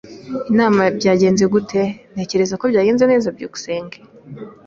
"Inama yagenze ite?" "Ntekereza ko byagenze neza." byukusenge